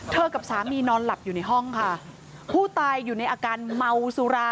กับสามีนอนหลับอยู่ในห้องค่ะผู้ตายอยู่ในอาการเมาสุรา